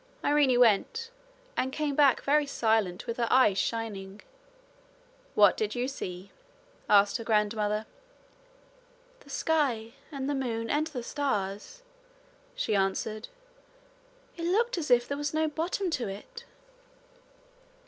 Irene went, and came back very silent with her eyes shining. 'What did you see?' asked her grandmother. 'The sky, and the moon and the stars,' she answered. 'It looked as if there was no bottom to it.'